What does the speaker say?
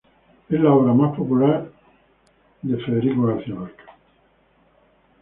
Es la obra más popular de Escrivá de Balaguer.